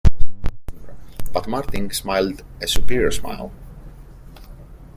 But Martin smiled a superior smile.